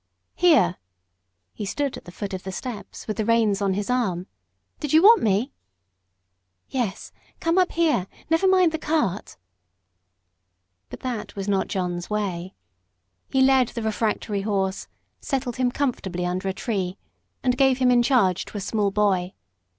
"Here" (he stood at the foot of the steps, with the reins on his arm); "did you want me?" "Yes. Come up here; never mind the cart." But that was not John's way. He led the refractory horse, settled him comfortably under a tree, and gave him in charge to a small boy.